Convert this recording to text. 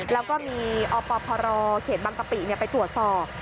แล้วก็มีอปพรเขตบางกะปิไปตรวจสอบ